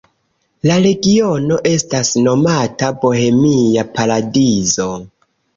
La regiono estas nomata Bohemia Paradizo.